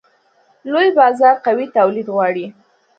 لوی بازار قوي تولید غواړي.